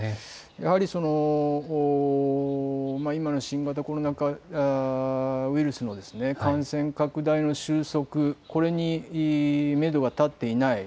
やはり今の新型コロナ、新型コロナウイルスの感染拡大の収束、これにめどが立っていない。